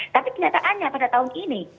tapi kenyataannya pada tahun ini